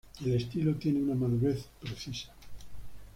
El estilo tiene una madurez precisa.